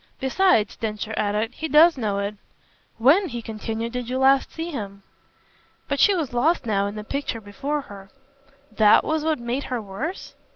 Besides," Densher added, "he does know it. When," he continued, "did you last see him?" But she was lost now in the picture before her. "THAT was what made her worse?"